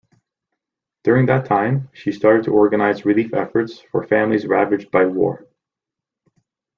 During that time, she started to organize relief efforts for families ravaged by war.